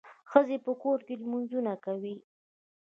ښځي په کور کي لمونځونه کوي.